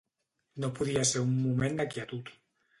No podia ser un moment de quietud.